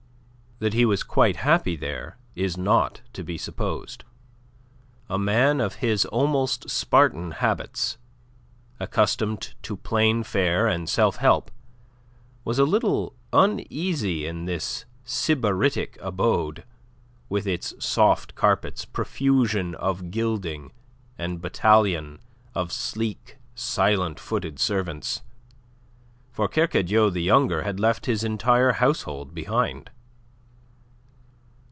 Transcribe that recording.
That he was quite happy there is not to be supposed. A man of his almost Spartan habits, accustomed to plain fare and self help, was a little uneasy in this sybaritic abode, with its soft carpets, profusion of gilding, and battalion of sleek, silent footed servants for Kercadiou the younger had left his entire household behind.